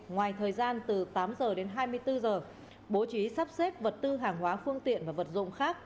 ngoài thời gian từ tám giờ đến hai mươi bốn giờ bố trí sắp xếp vật tư hàng hóa phương tiện và vật dụng khác